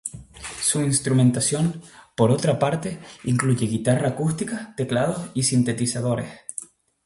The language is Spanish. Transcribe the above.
Su instrumentación, por otra parte, incluye Guitarra acústica, teclados y sintetizadores.